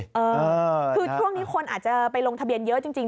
คือช่วงนี้คนอาจจะไปลงทะเบียนเยอะจริง